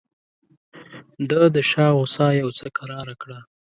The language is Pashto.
ده د شاه غوسه یو څه کراره کړه.